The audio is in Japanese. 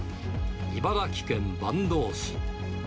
茨城県坂東市。